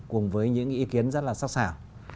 cùng với những ý kiến rất là sắc xảo